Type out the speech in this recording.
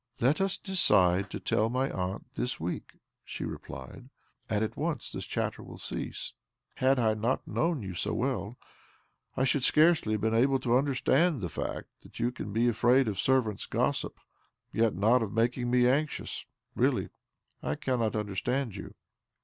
" Let us decide to tell my aunt this week," she replied, " and at once this chatter will cease. Had I not known you so well, I should scarcely have been able to under stand the fact that you can be afraid of servants' gossip, yet not of making me anxious. Really I cannot understand you."